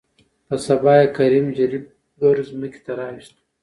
په سبا يې کريم جريب ګر ځمکې ته راوستو.